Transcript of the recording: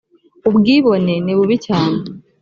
ubwibone nibubi cyane